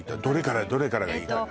どれからがいいかな？